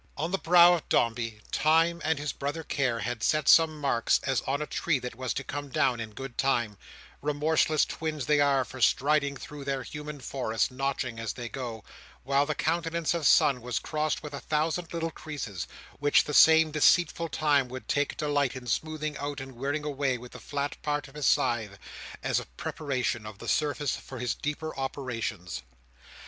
On the brow of Dombey, Time and his brother Care had set some marks, as on a tree that was to come down in good time—remorseless twins they are for striding through their human forests, notching as they go—while the countenance of Son was crossed with a thousand little creases, which the same deceitful Time would take delight in smoothing out and wearing away with the flat part of his scythe, as a preparation of the surface for his deeper operations.